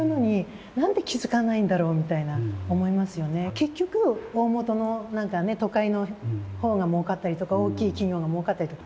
結局大本の都会の方がもうかったりとか大きい企業がもうかったりとか。